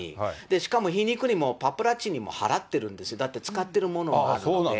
しかも皮肉にも、パパラッチにも払ってるんです、だって、使ってるものがあるので。